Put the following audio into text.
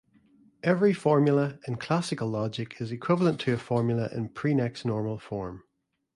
Every formula in classical logic is equivalent to a formula in prenex normal form.